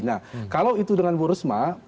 nah kalau itu dengan bu risma